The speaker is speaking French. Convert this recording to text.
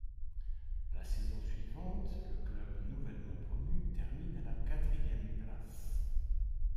La saison suivante, le club nouvellement promu termine à la quatrième place.